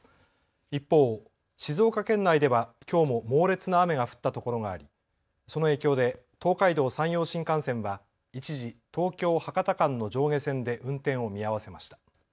一方、静岡県内ではきょうも猛烈な雨が降ったところがありその影響で東海道、山陽新幹線は一時、東京・博多間の上下線で運転を見合わせました。